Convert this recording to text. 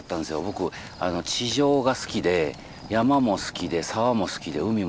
僕地上が好きで山も好きで沢も好きで海も好きで。